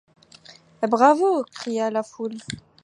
Bravo ! cria la foule.